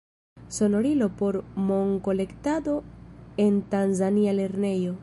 Sonorilo por monkolektado en tanzania lernejo.